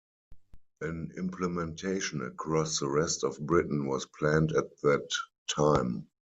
An implementation across the rest of Britain was planned at that time.